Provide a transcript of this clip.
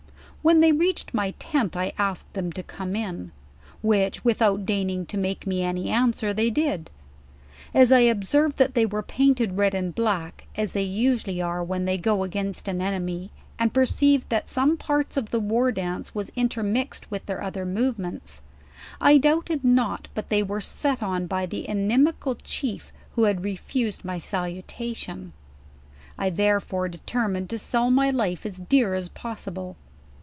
"When they reached my tent, I asked them to come in; which, without deigning to make mo any answer, they did. As I observed that they were painted red and black, as they usually are when they go against an enemy, and perceived LEWIS AND CLARKE 63 that some par*s of the war dance was intcrmixt with their other movements, I doubted not but they were set on by the inimical chief who had refused my salutation: I therefore determined to sell my life as dear as possible.